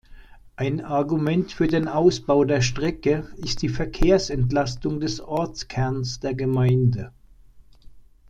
Ein Argument für den Ausbau der Strecke ist die Verkehrsentlastung des Ortskerns der Gemeinde.